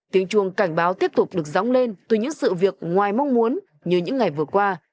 tiếng chuồng cảnh báo tiếp tục được dóng lên từ những sự việc ngoài mong muốn như những ngày vừa qua